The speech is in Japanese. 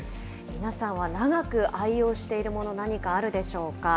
皆さんは長く愛用しているもの、何かあるでしょうか。